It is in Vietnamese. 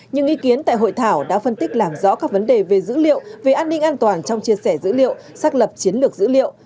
những ý kiến tại hội thảo đã phân tích làm rõ các vấn đề về dữ liệu về an ninh an toàn trong chia sẻ dữ liệu xác lập chiến lược dữ liệu